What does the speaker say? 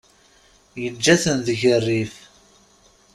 Yeǧǧa-ten deg rrif.